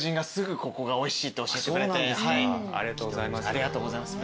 ありがとうございます。